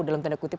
dalam tanda kutip